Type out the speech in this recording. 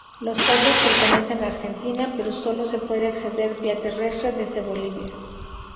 Los Toldos pertenece a Argentina pero solo se puede acceder via terrestre desde Bolivia.